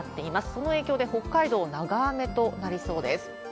その影響で北海道、長雨となりそうです。